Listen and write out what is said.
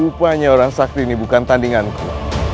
rupanya orang sakti ini bukan tandinganku